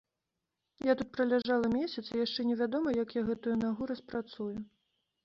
Я тут праляжала месяц, і яшчэ невядома, як я гэтую нагу распрацую.